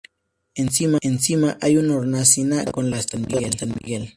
Encima hay una hornacina con la estatua de San Miguel.